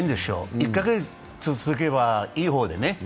１カ月続けばいい方でね。